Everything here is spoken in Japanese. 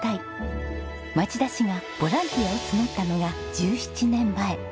町田市がボランティアを募ったのが１７年前。